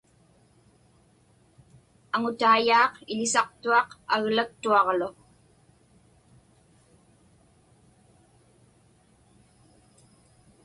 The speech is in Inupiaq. Aŋutaiyaaq iḷisaqtuaq aglaktuaġlu.